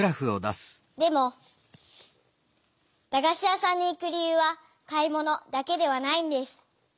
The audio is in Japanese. でもだがし屋さんに行く理由は「買いもの」だけではないんです。